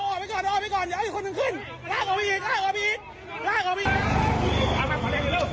อ้ออย่าเอาให้คนหนึ่งขึ้น